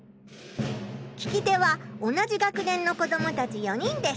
聞き手は同じ学年の子どもたち４人です。